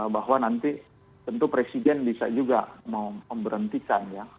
bahwa nanti tentu presiden bisa juga mau memberhentikan ya